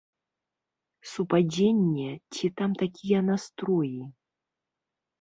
Супадзенне ці там такія настроі?